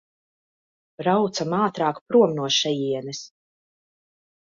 Braucam ātrāk prom no šejienes!